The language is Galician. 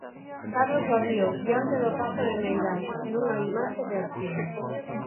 Carlos Babío, diante do Pazo de Meirás, nunha imaxe de arquivo.